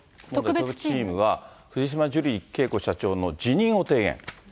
特別チームは、藤島ジュリー景子社長の辞任を提言。